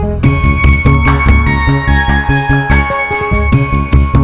udah kayak siapa di itu